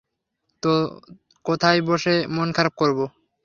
তো, কোথায় বসে মন খারাপ করব?